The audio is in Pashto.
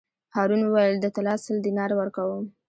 هارون وویل: د طلا سل دیناره ورکووم.